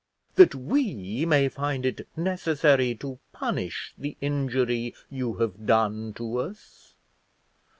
that we may find it necessary to punish the injury you have done to us?